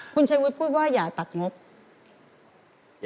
คุณชัยวุฒิพูดว่าอย่าตัดงบ